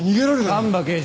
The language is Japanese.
丹波刑事